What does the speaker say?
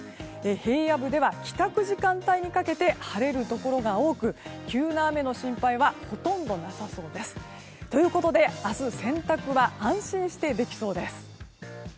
平野部では帰宅時間帯にかけて晴れるところが多く急な雨の心配はほとんどなさそうです。ということで明日、洗濯は安心してできそうです。